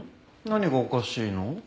何がおかしいの？